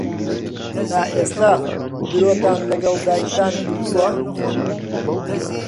تا ئێستا درۆتان لەگەڵ دایکتان کردووە؟